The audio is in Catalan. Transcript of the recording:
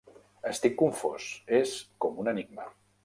Estic confós, és com un enigma.